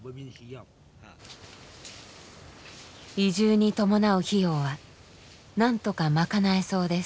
移住に伴う費用は何とか賄えそうです。